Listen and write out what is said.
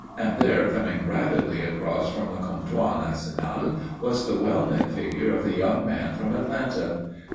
And there coming rapidly across from the Comptoir National was the well knit figure of the young man from Atlanta.